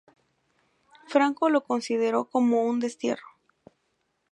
Franco lo consideró como un destierro.